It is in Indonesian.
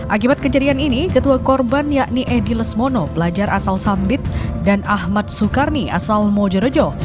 akibat kejadian ini ketua korban yakni edi lesmono pelajar asal sambit dan ahmad sukarni asal mojorejo